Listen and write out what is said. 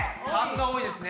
③が多いですね。